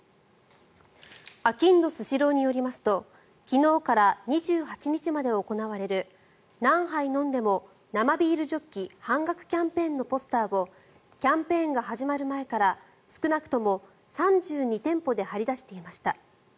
あきんどスシローによりますと昨日から２８日まで行われる「何杯飲んでも“生ビールジョッキ”半額キャンペーン」のポスターをキャンぺーンが始まる前から少なくとも３２店舗で貼り出していました。